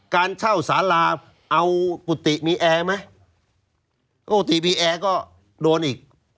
การเช่าสาราเอากุฏิมีแอร์ไหมปกติมีแอร์ก็โดนอีก